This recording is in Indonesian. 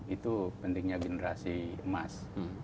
itu pentingnya generasi emas